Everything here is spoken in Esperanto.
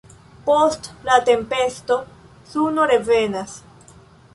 Post la tempesto, suno revenas.